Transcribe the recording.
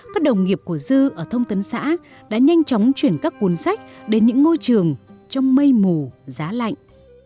các đồng nghiệp của dư ở thông tấn xã đã nhanh chóng chuyển các cuốn sách đến những ngôi trường trong mây mù giá lạnh